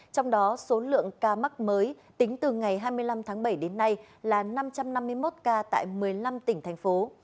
trong đó số lượng ca mắc mới tính từ ngày hai mươi năm tháng bảy đến nay là năm trăm năm mươi một ca tại một mươi năm tỉnh thành phố